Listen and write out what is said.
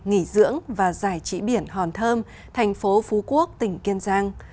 nghỉ dưỡng và giải trí biển hòn thơm thành phố phú quốc tỉnh kiên giang